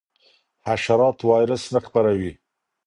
حشرات وایرس نه خپروي.